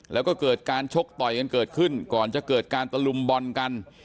แล้วก็เกิดการชกต่อยกันเกิดขึ้นก่อนจะเกิดการตะลุมบอลกัน